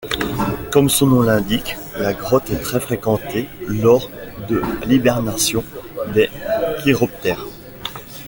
Comme son nom l'indique, la grotte est très fréquentée lors de l'hibernation des chiroptères.